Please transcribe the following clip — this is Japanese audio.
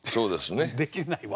できないわ。